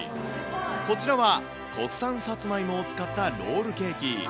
こちらは、国産サツマイモを使ったロールケーキ。